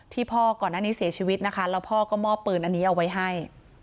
พ่อก่อนหน้านี้เสียชีวิตนะคะแล้วพ่อก็มอบปืนอันนี้เอาไว้ให้